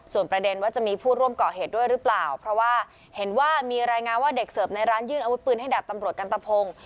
ส่วนประเด็นว่าจะมีผู้ร่วมก่อเหตุด้วยหรือเปล่าเพราะว่าเห็นว่ามีรายงานว่าเด็กเสิร์ฟในร้านยื่นอาวุธปืนให้ดับตำรวจกันตะพง